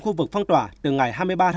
khu vực phong tỏa từ ngày hai mươi ba tháng